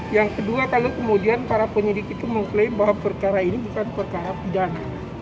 yang kedua kalau kemudian para penyidik itu mengklaim bahwa perkara ini bukan perkara pidana